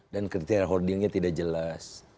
dan kriteria holdingnya tidak jelas